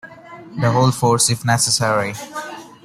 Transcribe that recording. The whole force if necessary!